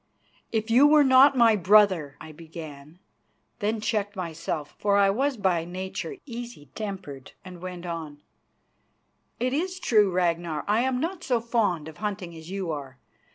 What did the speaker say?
"If you were not my brother " I began, then checked myself, for I was by nature easy tempered, and went on: "It is true, Ragnar, I am not so fond of hunting as you are.